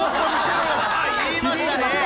言いましたね。